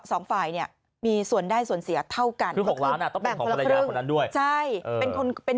สองฝ่ายเนี่ยมีส่วนได้ส่วนเสียท่าวกันด้วยใช่เป็นคนเป็น